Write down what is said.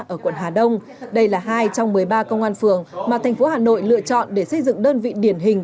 ở quận hà đông đây là hai trong một mươi ba công an phường mà thành phố hà nội lựa chọn để xây dựng đơn vị điển hình